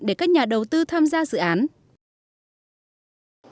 để các nhà đầu tư tham gia vào hội nghị